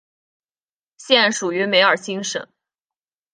现属于梅尔辛省。